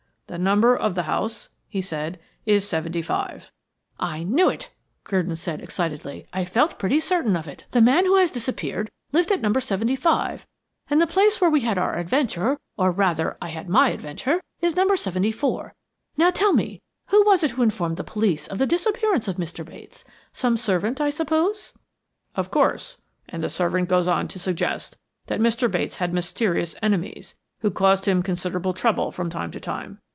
"The number of the house," he said, "is 75." "I knew it," Gurdon said excitedly. "I felt pretty certain of it. The man who has disappeared lived at No. 75, and the place where we had our adventure, or rather, I had my adventure, is No. 74. Now, tell me, who was it who informed the police of the disappearance of Mr. Bates? Some servant, I suppose?" "Of course; and the servant goes on to suggest that Mr. Bates had mysterious enemies, who caused him considerable trouble from time to time.